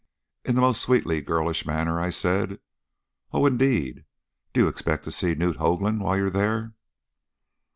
In my most sweetly girlish manner I said: 'Oh, indeed! Do you expect to see Knute Hoaglund while you're there?'"